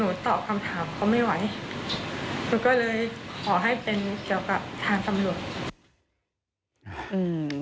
หนูก็เลยขอให้เป็นเกี่ยวกับทางสำรวจ